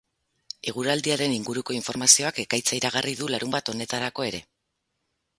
Eguraldiaren inguruko informazioak ekaitza iragarri du larunbat honetarako ere.